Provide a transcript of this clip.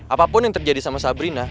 apapun yang terjadi sama sabrina